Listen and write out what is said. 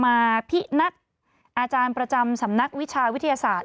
มาพินักอาจารย์ประจำสำนักวิชาวิทยาศาสตร์